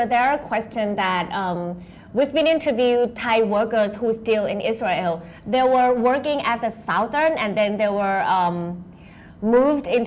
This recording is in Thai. ที่ต้องไปทำงานตอนที่มีการการการที่สุด